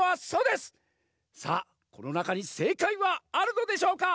さあこのなかにせいかいはあるのでしょうか？